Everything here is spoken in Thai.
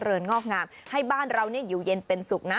ินงอกงามให้บ้านเราอยู่เย็นเป็นสุขนะ